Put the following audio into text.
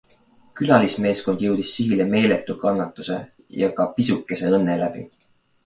Külalismeeskond jõudis sihile meeletu kannatuse ja ka pisukese õnne läbi.